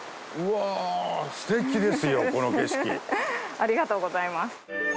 ありがとうございます。